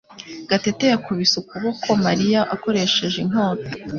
Gatete yakubise ukuboko Mariya akoresheje inkota.